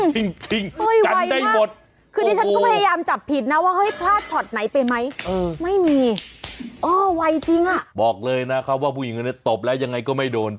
จริงใจหมดคือดิฉันก็พยายามจับผิดนะว่าเฮ้ยพลาดช็อตไหนไปไหมไม่มีเออไวจริงอ่ะบอกเลยนะครับว่าผู้หญิงคนนี้ตบแล้วยังไงก็ไม่โดน